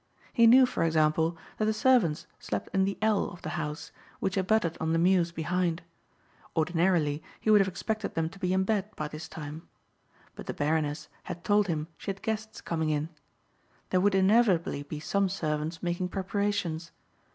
He knew, for example, that the servants slept in the "el" of the house which abutted on the mews behind. Ordinarily he would have expected them to be in bed by this time. But the Baroness had told him she had guests coming in. There would inevitably be some servants making preparations.